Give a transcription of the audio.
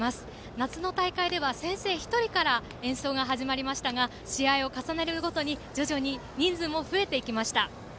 夏の大会では、先生１人から演奏が始まりましたが試合を重ねるごとに徐々に人数も増えてきました。